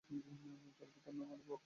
তার পিতার নাম আলী বক্স।